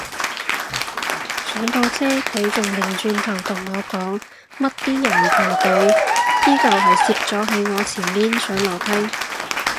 上到車佢仲擰轉頭同我講乜啲人唔排隊，依舊係攝咗喺我前面上樓梯